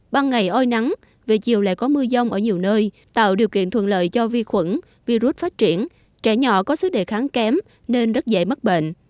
ban ngày oi nắng về chiều lại có mưa dông ở nhiều nơi tạo điều kiện thuận lợi cho vi khuẩn virus phát triển trẻ nhỏ có sức đề kháng kém nên rất dễ mắc bệnh